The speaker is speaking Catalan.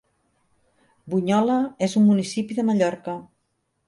Bunyola és un municipi de Mallorca.